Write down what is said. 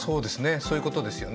そういうことですよね。